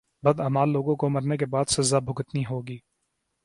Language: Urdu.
بداعمال لوگوں کو مرنے کے بعد سزا بھگتنی ہوگی